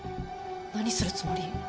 何するつもり？